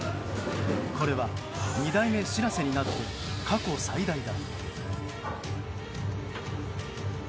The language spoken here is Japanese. これは２代目「しらせ」になって過去最大だ。